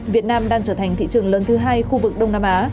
việt nam đang trở thành thị trường lớn thứ hai khu vực đông nam á